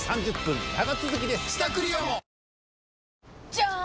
じゃーん！